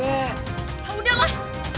ya udah lah